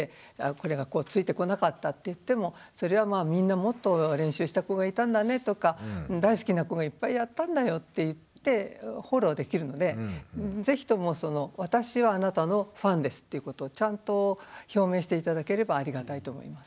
これがこうついてこなかったっていってもそれはみんなもっと練習した子がいたんだねとか大好きな子がいっぱいやったんだよって言ってフォローできるので是非とも私はあなたのファンですっていうことをちゃんと表明して頂ければありがたいと思います。